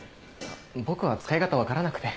僕は使い方分からなくて。